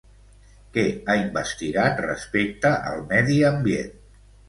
Què ha investigat respecte al medi ambient?